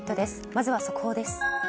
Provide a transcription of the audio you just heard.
まずは、速報です。